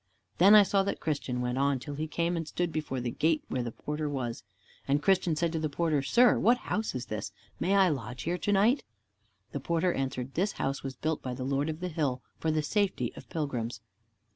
Then I saw that Christian went on till he came and stood before the gate where the porter was. And Christian said to the porter, "Sir, what house is this? May I lodge here to night?" The porter answered, "This house was built by the Lord of the hill, for the safety of pilgrims."